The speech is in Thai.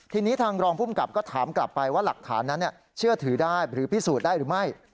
ทีนี้ทางรองภูมิกับก็ถามกลับไปว่าหลักฐานนั้นเชื่อถือได้หรือพิสูจน์ได้หรือไม่